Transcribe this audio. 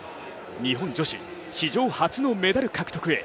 日本女子史上初のメダル獲得へ。